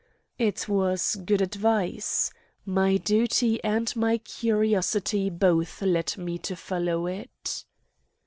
It was good advice. My duty and my curiosity both led me to follow it.